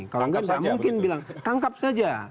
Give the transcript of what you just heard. kalau nggak mungkin bilang tangkap saja